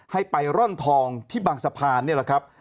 ให้ไปร่อนทองที่บางสะพานนี่แหละครับ